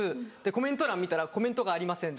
コメント欄見たら「コメントがありません」。